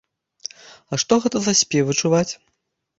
А што гэта за спевы чуваць?